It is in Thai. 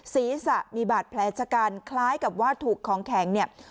ศีรษะมีบาดแผลชะกันคล้ายกับว่าถูกของแข็งเนี่ย